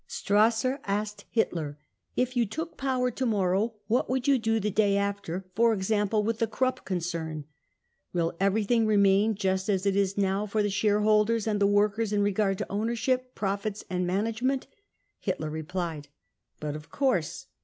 Strasser asked Hitler :" If you took power to morrow, what would you do the day after, for example* with the Krupp concern ? Will everything remain just as it is now for the shareholders and the workers in regard to ownership, profits and management ?" Hitler replied :" But of course.